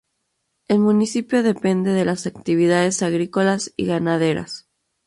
El municipio depende de las actividades agrícolas y ganaderas.